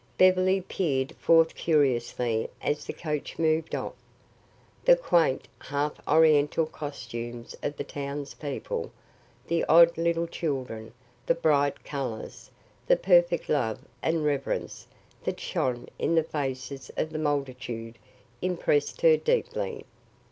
Beverly peered forth curiously as the coach moved off. The quaint, half oriental costumes of the townspeople, the odd little children, the bright colors, the perfect love and reverence that shone in the faces of the multitude impressed her deeply.